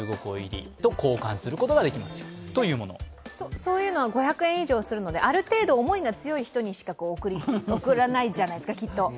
そういうのは５００円以上するのである程度思いが強い人にしか送らないじゃないですか、きっと。